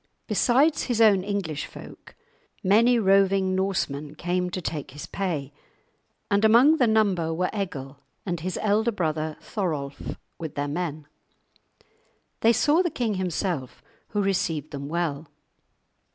Besides his own English folk, many roving Norsemen came to take his pay, and among the number were Egil and his elder brother Thorolf, with their men. They saw the king himself, who received them well.